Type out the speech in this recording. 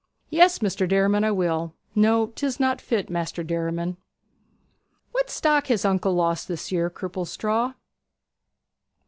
'Yes, Maister Derriman, I will. No, 'tis not fit, Maister Derriman.' 'What stock has uncle lost this year, Cripplestraw?'